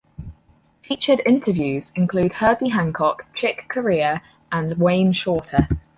Featured interviews include Herbie Hancock, Chick Corea, and Wayne Shorter.